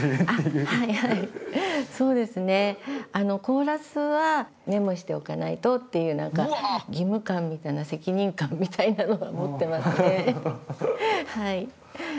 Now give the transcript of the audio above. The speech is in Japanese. コーラスはメモしておかないとっていうなんか義務感みたいな責任感みたいなのは持ってますね。